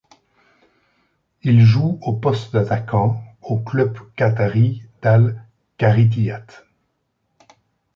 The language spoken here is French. Il joue au poste d'attaquant au club qatari d'Al Kharitiyath.